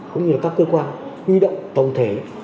cũng như các cơ quan nguy động tổng thể